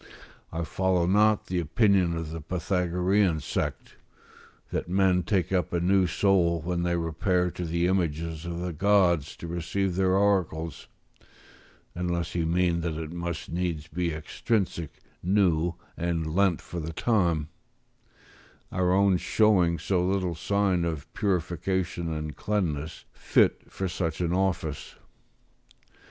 I follow not the opinion of the Pythagorean sect, "that men take up a new soul when they repair to the images of the gods to receive their oracles," unless he mean that it must needs be extrinsic, new, and lent for the time; our own showing so little sign of purification and cleanness, fit for such an office.